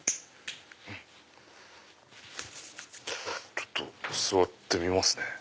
ちょっと座ってみますね。